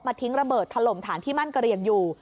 มาทิ้งระเบิดทะลมทันที่มั่นกะเรียงอยู่